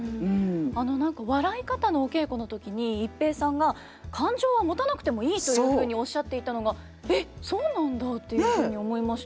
あの何か笑い方のお稽古の時に逸平さんが「感情はもたなくてもいい」というふうにおっしゃっていたのが「えっそうなんだ」っていうふうに思いました。